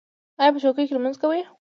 ایا په چوکۍ لمونځ کوئ؟